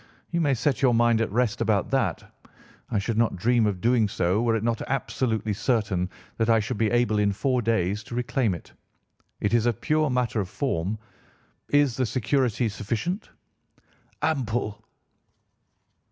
You may set your mind at rest about that. I should not dream of doing so were it not absolutely certain that I should be able in four days to reclaim it. It is a pure matter of form. Is the security sufficient?' "'Ample.